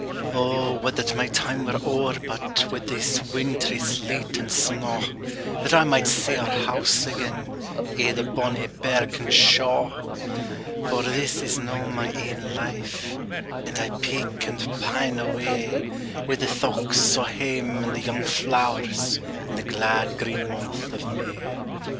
O, wad that my time were owre but, Wi' this wintry sleet and snaw, That I might see our house again, I' the bonnie birken shaw! For this is no my ain life, And I peak and pine away Wi' the thochts o' hame and the young flowers, In the glad green month of May.